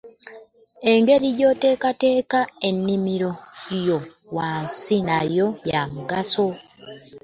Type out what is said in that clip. Engeri gy’oteekateekamu ennimiro yo wansi nayo ya mugaso.